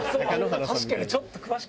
確かにちょっと詳しく。